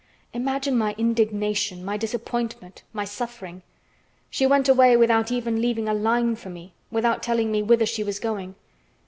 Imagine my indignation, my disappointment, my suffering. She went away without even leaving a line for me, without telling me whither she was going.